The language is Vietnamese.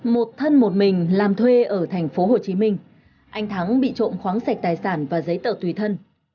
một thân một mình làm thuê ở thành phố hồ chí minh anh thắng bị trộm khoáng sạch tài sản và giấy tờ tùy thân